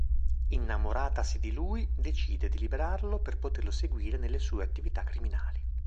Innamoratasi di lui, decide di liberarlo per poterlo seguire nelle sue attività criminali.